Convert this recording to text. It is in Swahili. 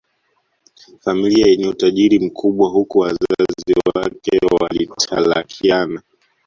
familia yenye utajiri mkubwa Huku wazazi wake walitalakiana